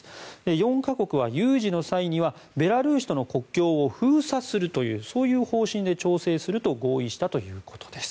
４か国は有事の際にはベラルーシとの国境を封鎖するというそういう方針で調整すると合意したということです。